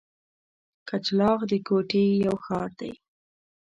کچلاغ د کوټي یو ښار دی.